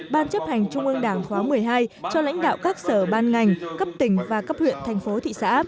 ban chấp hành trung ương đảng khóa một mươi hai cho lãnh đạo các sở ban ngành cấp tỉnh và cấp huyện thành phố thị xã